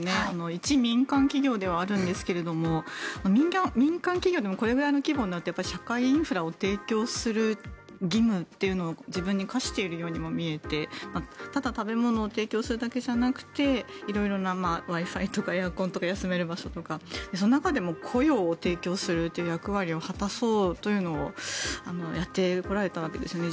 一民間企業ではあるんですが民間企業でもこれくらいの規模になると社会インフラを提供する義務というのを自分に課しているようにも見えてただ食べ物を提供するだけじゃなくて色々なＷｉ−Ｆｉとかエアコンとか休める場所とか、その中でも雇用を提供するという役割を果たそうというのをやってこられたわけですよね